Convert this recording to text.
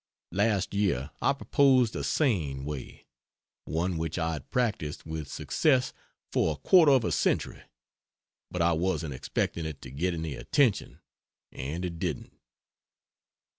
Last year I proposed a sane way one which I had practiced with success for a quarter of a century but I wasn't expecting it to get any attention, and it didn't.